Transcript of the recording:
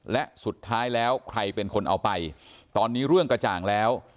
และสุดท้ายแล้วใครเป็นคนเอาไปตอนนี้เรื่องกระจ่างแล้ว